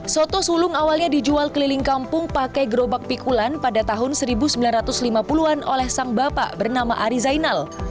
soto sulung awalnya dijual keliling kampung pakai gerobak pikulan pada tahun seribu sembilan ratus lima puluh an oleh sang bapak bernama ari zainal